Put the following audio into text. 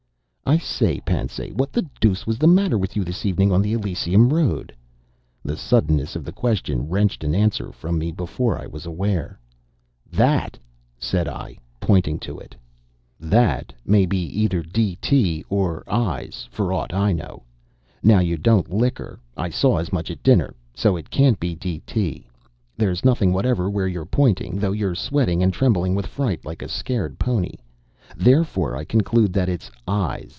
"I say, Pansay, what the deuce was the matter with you this evening on the Elysium road?" The suddenness of the question wrenched an answer from me before I was aware. "That!" said I, pointing to It. "That may be either D. T. or Eyes for aught I know. Now you don't liquor. I saw as much at dinner, so it can't be D. T. There's nothing whatever where you're pointing, though you're sweating and trembling with fright like a scared pony. Therefore, I conclude that it's Eyes.